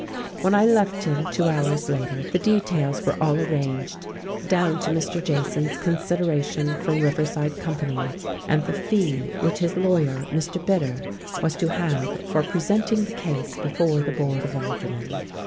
When I left him, two hours later, the details were all arranged, down to Mr. Jason's consideration from Riverside Company and the "fee" which his lawyer, Mr. Bitter, was to have for "presenting the case" before the Board of Aldermen.